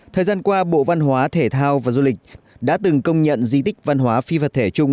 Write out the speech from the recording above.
thời gian qua bộ văn hóa thể thao và du lịch đã từng công nhận di tích văn hóa phi vật thể chung